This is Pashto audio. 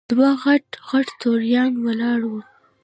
دوه غټ غټ توریان ولاړ وو.